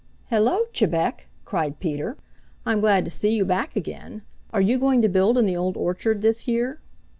"Hello, Chebec!" cried Peter. "I'm glad to see you back again. Are you going to build in the Old Orchard this year?"